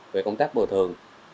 về công tác bồi thường